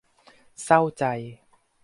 เศร้าใจ !